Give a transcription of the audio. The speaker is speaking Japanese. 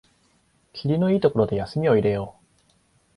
きりのいいところで休みを入れよう